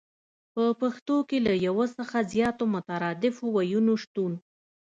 په پښتو کې له يو څخه زياتو مترادفو ويونو شتون